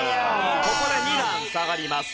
ここで２段下がります。